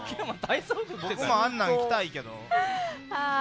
僕もあんなん来たいけど。